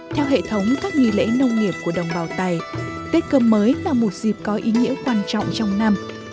theo hệ thống các nghi lễ nông nghiệp của đồng bào tày tết cơm mới là một dịp có ý nghĩa quan trọng trong năm